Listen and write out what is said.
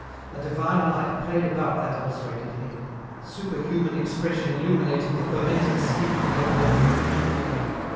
A divine light played about that ulcerated head, a superhuman expression illuminated the fermenting skin of the epileptic features.